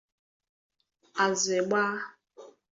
Azị gba.